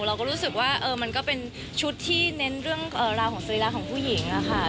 เราก็รู้สึกว่ามันก็เป็นชุดที่เน้นเรื่องราวของสรีระของผู้หญิงค่ะ